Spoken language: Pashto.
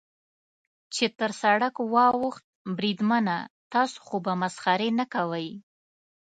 چې تر سړک واوښت، بریدمنه، تاسې خو به مسخرې نه کوئ.